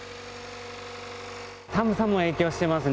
寒さも影響してますね。